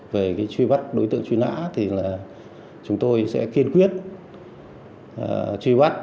về truy bắt đối tượng truy nã thì là chúng tôi sẽ kiên quyết truy bắt